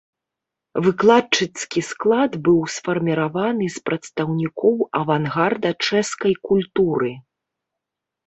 Выкладчыцкі склад быў сфарміраваны з прадстаўнікоў авангарда чэшскай культуры.